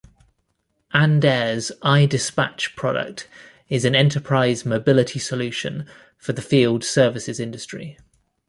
Andare's iDispatch product is an enterprise mobility solution for the field services industry.